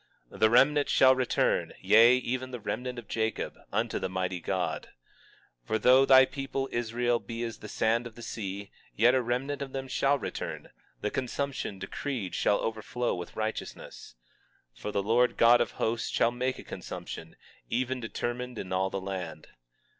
20:21 The remnant shall return, yea, even the remnant of Jacob, unto the mighty God. 20:22 For though thy people Israel be as the sand of the sea, yet a remnant of them shall return; the consumption decreed shall overflow with righteousness. 20:23 For the Lord God of Hosts shall make a consumption, even determined in all the land.